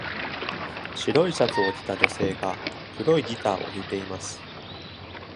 白いシャツを着た女性が黒いギターを弾いています。